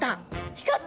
光った！